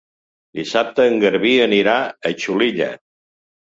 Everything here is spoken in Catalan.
Dissabte en Garbí anirà a Xulilla.